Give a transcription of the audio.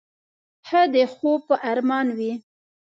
ښه د خوب په ارمان وې.